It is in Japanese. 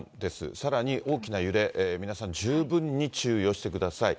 さらに大きな揺れ、皆さん十分に注意をしてください。